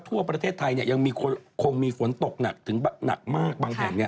ทั่วประเทศไทยเนี่ยยังคงมีฝนตกหนักถึงหนักมากบางแห่ง